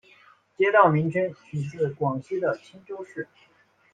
街道名称取自广西的钦州市。